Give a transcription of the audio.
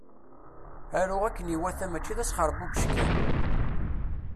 Aru akken iwata mačči d asxerbubec kan!